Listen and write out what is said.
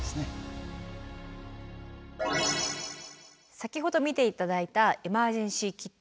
先ほど見て頂いたエマージェンシーキット。